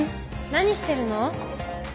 何してるの？